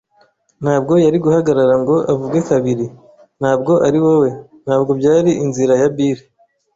ntabwo yari guhagarara ngo avugwe kabiri - ntabwo ari wowe. Ntabwo byari inzira ya Bill,